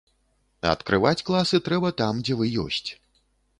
Адкрываць класы трэба там, дзе вы ёсць.